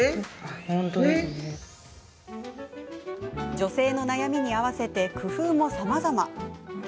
女性の悩みに合わせて工夫も、さまざま。